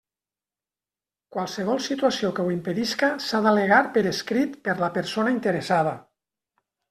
Qualsevol situació que ho impedisca s'ha d'al·legar per escrit per la persona interessada.